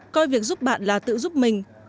coi việc giúp bạn là tự giúp mình